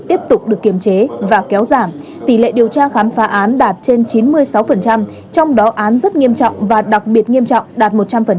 tiếp tục được kiềm chế và kéo giảm tỷ lệ điều tra khám phá án đạt trên chín mươi sáu trong đó án rất nghiêm trọng và đặc biệt nghiêm trọng đạt một trăm linh